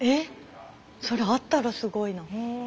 それあったらすごいな。